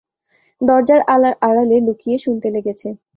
দরজার আড়ালে লুকিয়ে শুনতে লেগেছে।